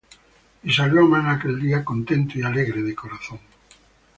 Y salió Amán aquel día contento y alegre de corazón;